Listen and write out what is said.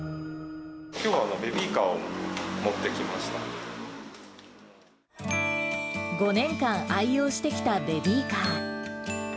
きょうはベビーカーを持って５年間愛用してきたベビーカー。